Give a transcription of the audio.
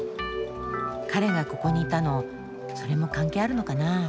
彼がここにいたのそれも関係あるのかな。